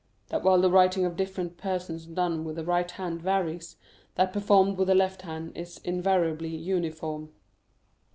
"That while the writing of different persons done with the right hand varies, that performed with the left hand is invariably uniform."